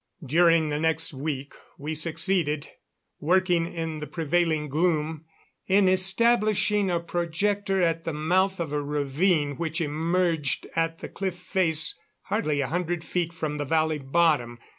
During the next week, we succeeded working in the prevailing gloom in establishing a projector at the mouth of a ravine which emerged at the cliff face hardly a hundred feet from the valley bottom.